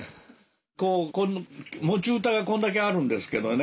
持ち歌がこんだけあるんですけどね。